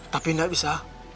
tapi enggak bisa